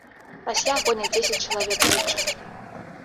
Пасля гоняць дзесяць чалавек дзяўчат.